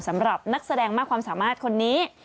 สำหรับนักแสดงมากความสามารถคนนี้